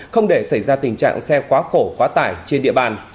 không để xảy ra tình trạng xe quá khổ quá tải trên địa bàn